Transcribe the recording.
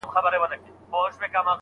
ټوکران په بازار کې په اسانۍ پیدا کېږي.